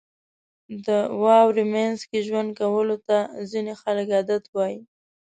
• د واورې مینځ کې ژوند کولو ته ځینې خلک عادت وي.